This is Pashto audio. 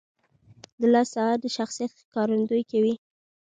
• د لاس ساعت د شخصیت ښکارندویي کوي.